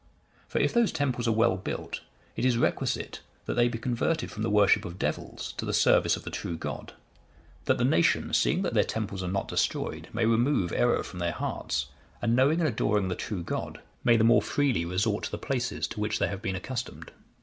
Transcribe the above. For if those temples are well built, it is requisite that they be converted from the worship of devils to the service of the true God; that the nation, seeing that their temples are not destroyed, may remove error from their hearts, and knowing and adoring the true God, may the more freely resort to the places to which they have been accustomed.